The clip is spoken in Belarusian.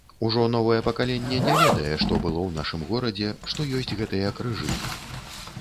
Ужо новае пакаленне не ведае, што было ў нашым горадзе, што ёсць гэтыя крыжы.